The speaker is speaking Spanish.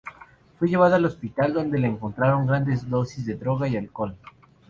Fue llevada al hospital donde le encontraron grandes dosis de drogas y alcohol.